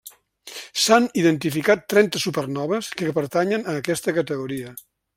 S'han identificat trenta supernoves que pertanyen a aquesta categoria.